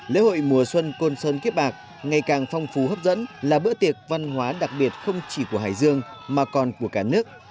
lễ hội mùa xuân côn sơn kiếp bạc ngày càng phong phú hấp dẫn là bữa tiệc văn hóa đặc biệt không chỉ của hải dương mà còn của cả nước